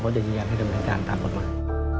เขาจะยืนยังให้ดำเนินการตามปลอดภัณฑ์